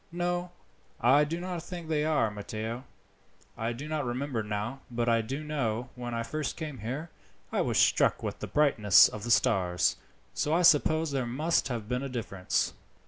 "No, I do not think they are, Matteo. I do not remember now, but I do know, when I first came here, I was struck with the brightness of the stars, so I suppose there must have been a difference."